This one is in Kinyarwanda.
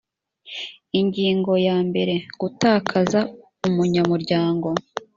ingingo yambere gutakaza ubunyamuryango